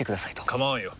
構わんよ。